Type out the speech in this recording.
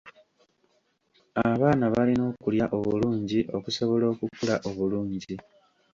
Abaana balina okulya obulungi okusobola okukula obulungi.